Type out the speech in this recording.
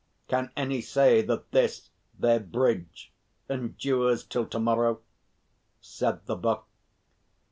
Can any say that this their bridge endures till to morrow?" said the Buck.